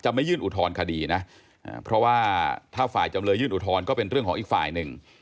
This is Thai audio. ไม่ยื่นอุทธรณคดีนะเพราะว่าถ้าฝ่ายจำเลยยื่นอุทธรณ์ก็เป็นเรื่องของอีกฝ่ายหนึ่ง